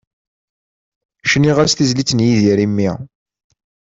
Cniɣ-as-d tizlit n Yidir i mmi.